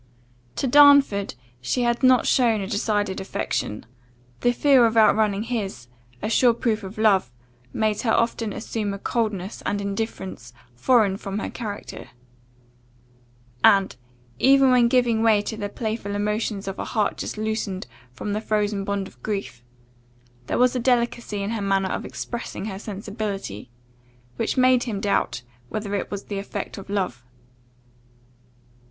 To Darnford she had not shown a decided affection; the fear of outrunning his, a sure proof of love, made her often assume a coldness and indifference foreign from her character; and, even when giving way to the playful emotions of a heart just loosened from the frozen bond of grief, there was a delicacy in her manner of expressing her sensibility, which made him doubt whether it was the effect of love.